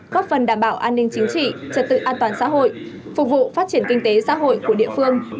góp phần đảm bảo an ninh chính trị trật tự an toàn xã hội phục vụ phát triển kinh tế xã hội của địa phương